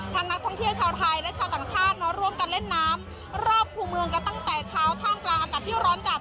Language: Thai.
นักท่องเที่ยวชาวไทยและชาวต่างชาติมาร่วมกันเล่นน้ำรอบคู่เมืองกันตั้งแต่เช้าท่ามกลางอากาศที่ร้อนจัด